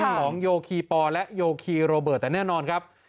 ของโยคีปอและโยคีโรเบิร์ตแต่แน่นอนครับ